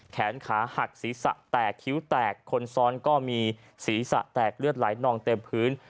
แขนขาหักศีรษะแตกคิ้วแตกคนซ้อนก็มีศีรษะแตกเลือดไหลนองเต็มพื้น